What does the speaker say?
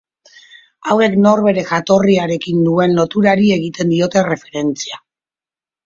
Hauek nork bere jatorriarekin duen loturari egiten diote erreferentzia.